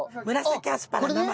紫アスパラ生。